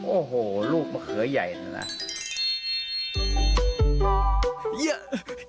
โอ้โหลูกมะเขือใหญ่น่ะนะ